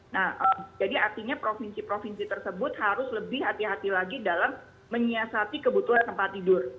nah jadi artinya provinsi provinsi tersebut harus lebih hati hati lagi dalam menyiasati kebutuhan tempat tidur